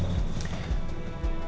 semua orang sendiri